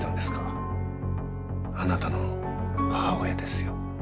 あなたの母親ですよ。